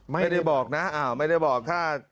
ไม่ได้บอกนะมันแต่น่า